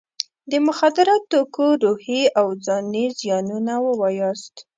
د مخدره توکو روحي او ځاني زیانونه ووایاست.